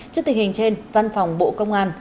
trước tình hình trên văn phòng bộ công an